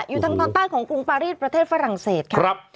อยู่ทางตอนใต้ของกรุงปารีสประเทศฝรั่งเศสค่ะ